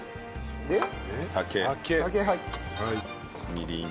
みりん。